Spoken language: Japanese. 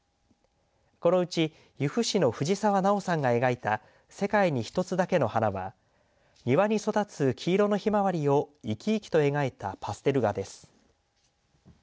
このうち由布市の藤澤奈央さんが描いた世界に一つだけの花は庭に育つ黄色のひまわりを生き生きと描いたパステル画です。